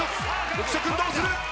浮所君どうする！？